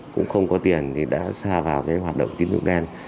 cũng không có tiền thì đã xa vào cái hoạt động tín dụng đen